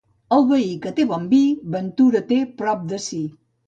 El veí que té bon vi, ventura té prop de si.